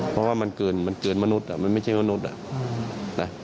เพราะว่ามันเกิดมนุษย์มันไม่ใช่มนุษย์